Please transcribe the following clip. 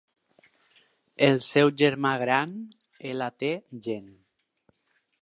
El seu germà gran, Lt-Gen.